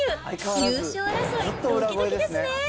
優勝争い、どきどきですね。